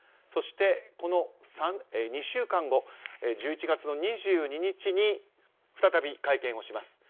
そして、２週間後１１月２２日に再び会見をします。